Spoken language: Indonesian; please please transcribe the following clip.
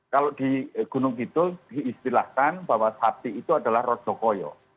kalau di gunung kidul diistilahkan bahwa sapi itu adalah rojokoyo